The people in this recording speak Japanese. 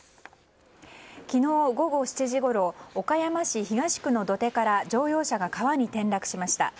昨日午後７時ごろ岡山市東区の土手から乗用車が川に転落しました。